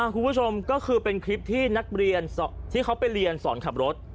คุณผู้ชมก็คือเป็นคลิปที่นักเรียนที่เขาไปเรียนสอนขับรถ